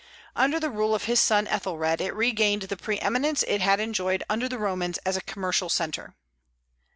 Under the rule of his son Ethelred, it regained the pre eminence it had enjoyed under the Romans as a commercial centre.